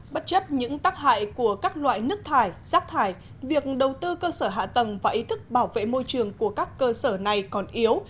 bất chấp những tác hại của các loại nước thải rác thải việc đầu tư cơ sở hạ tầng và ý thức bảo vệ môi trường của các cơ sở này còn yếu